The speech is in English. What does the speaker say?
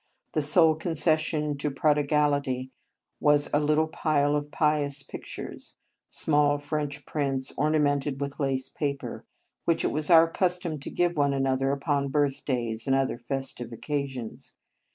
The sole concession to prodigality was a little pile of pious pictures, small French prints, ornamented with lace paper, which it was our custom to give one another upon birthdays and other festive occasions.